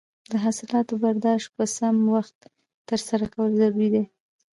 د حاصلاتو برداشت په سم وخت ترسره کول ضروري دي.